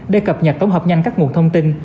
để cập nhật tổng hợp nhanh các nguồn thông tin